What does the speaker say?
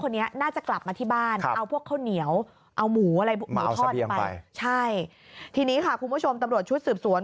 นี่ค่ะคุณผู้ชมตำรวจชุดสืบสวน